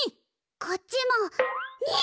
こっちも２！